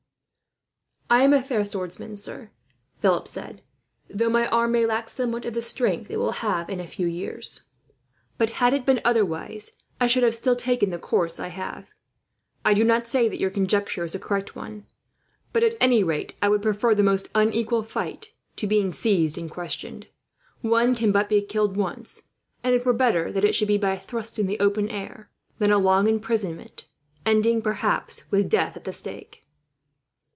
"I am a fair swordsman, sir," Philip said; "though my arm may lack somewhat of the strength it will have, a few years later. But had it been otherwise, I should have still taken the course I have. I do not say your conjecture is a correct one, but at any rate I would prefer the most unequal fight to being seized and questioned. One can but be killed once, and it were better that it should be by a thrust in the open air than a long imprisonment, ending perhaps with death at the stake."